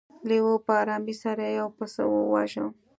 لیوه په ارامۍ سره یو پسه وواژه.